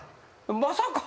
まさか。